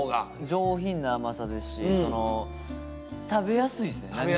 上品な甘さですし食べやすいっすね何より。